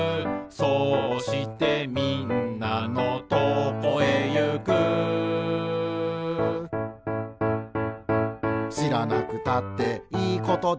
「そうしてみんなのとこへゆく」「しらなくたっていいことだけど」